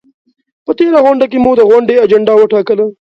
په تېره غونډه کې مو د غونډې اجنډا وټاکله؟